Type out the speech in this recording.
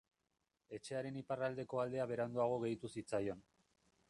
Etxearen iparraldeko aldea beranduago gehitu zitzaion.